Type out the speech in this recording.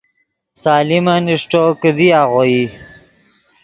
سلیمن اݰٹو، کیدی آغوئی